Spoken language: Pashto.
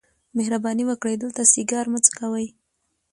مهرباني وکړئ دلته سیګار مه څکوئ.